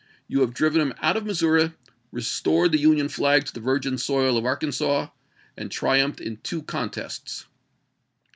You have driven him out of Missouri, i86^!^^w^'r. restored the Union flag to the virgin soil of Arkan V. seo. " sas, and triumphed in two contests."